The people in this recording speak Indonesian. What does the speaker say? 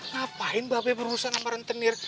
ngapain ba be berurusan sama rentenir